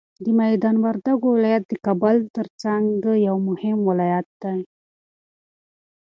د میدان وردګو ولایت د کابل تر څنګ یو مهم ولایت دی.